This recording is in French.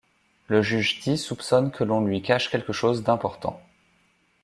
Le juge Ti soupçonne que l'on lui cache quelque chose d'important.